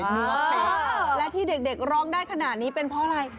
เนื้อแตกและที่เด็กร้องได้ขนาดนี้เป็นเพราะอะไร